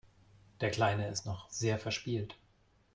Der Kleine ist noch sehr verspielt.